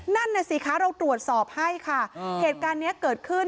นั่นน่ะสิคะเราตรวจสอบให้ค่ะเหตุการณ์นี้เกิดขึ้น